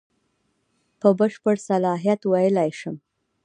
په بشپړ صلاحیت ویلای شم.